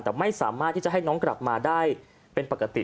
แต่ไม่สามารถที่จะให้น้องกลับมาได้เป็นปกติ